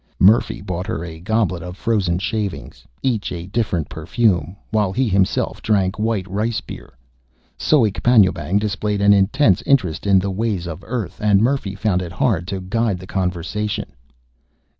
Murphy bought her a goblet of frozen shavings, each a different perfume, while he himself drank white rice beer. Soek Panjoebang displayed an intense interest in the ways of Earth, and Murphy found it hard to guide the conversation.